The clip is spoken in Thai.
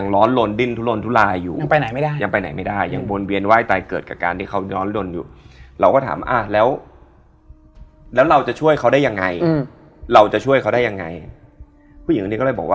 พี่ทีมงานอีกคนนอนอีกเตียดนึง